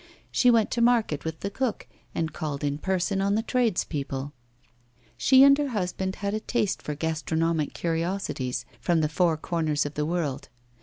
She went to market with the cook, and called in person on the tradespeople. She and her husband had a taste for gastronomical curiosities from the four corners of the world.